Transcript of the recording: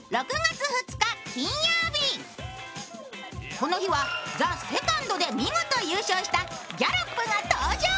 この日は「ＴＨＥＳＥＣＯＮＤ」で見事優勝したギャロップが登場。